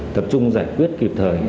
tập trung giải quyết kịp thời